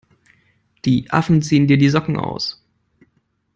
Die Affen ziehen dir die Socken aus!